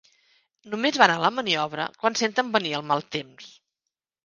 No més van a la maniobra quan senten venir el mal temps